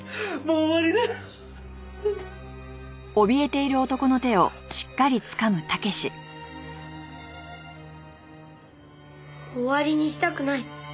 終わりにしたくない。